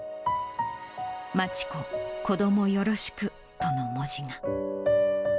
真知子、子どもよろしくとの文字が。